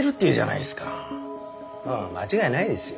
うん間違いないですよ。